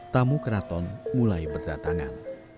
tamu keraton mulai berdatangan